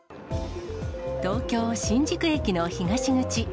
東京・新宿駅の東口。